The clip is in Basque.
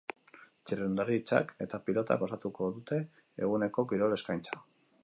Txirrindularitzak eta pilotak osatuko dute eguneko kirol eskaintza.